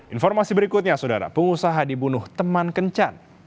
informasi berikutnya saudara pengusaha dibunuh teman kencan